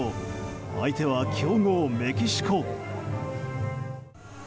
相手は強豪メキシコ。